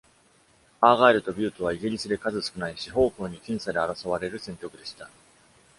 アーガイルとビュートはイギリスで数少ない四方向に僅差で争われる選挙区でした。